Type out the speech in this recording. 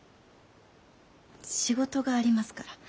仕事がありますから。